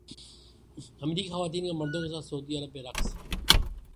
امریکی خواتین کا مردوں کے ساتھ سعودی عرب میں رقص